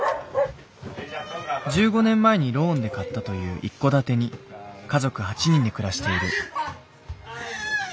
１５年前にローンで買ったという一戸建てに家族８人で暮らしている。